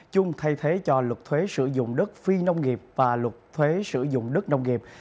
chung thay thế cho luật thuế sử dụng đất phi nông nghiệp và luật thuế sử dụng đất nông nghiệp